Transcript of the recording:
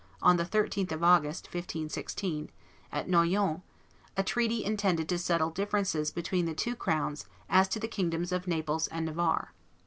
on the 13th of August, 1516, at Noyon, a treaty intended to settle differences between the two crowns as to the kingdoms of Naples and Navarre.